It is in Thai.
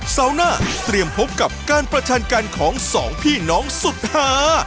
เสาร์หน้าเตรียมพบกับการประชันกันของสองพี่น้องสุดหา